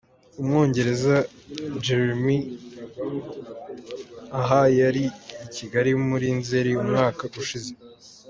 Umwongereza Jeremy Gilley aha yari i Kigali muri Nzeri umwaka ushize.